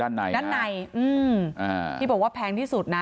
นี่พูดว่าแพงที่สุดนะ